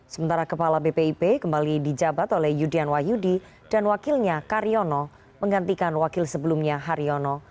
sementara kepala bpip kembali dijabat oleh yudian wahyudi dan wakilnya karyono menggantikan wakil sebelumnya haryono